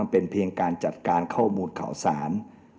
เป็นเพียงการจัดการข้อมูลข่าวสาร